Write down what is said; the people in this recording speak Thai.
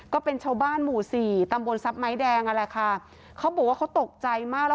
ก็เป็นชาวบ้านหมู่สี่ตำบลทรัพย์ไม้แดงนั่นแหละค่ะเขาบอกว่าเขาตกใจมากแล้ว